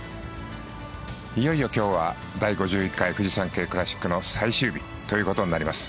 いよいよ今日は第５１回フジサンケイクラシックの最終日ということになります。